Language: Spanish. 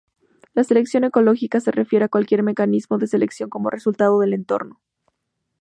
La selección ecológica se refiere a cualquier mecanismo de selección como resultado del entorno.